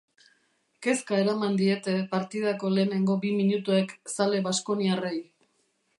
Kezka eraman diete partidako lehenengo bi minutuek zale baskoniarrei.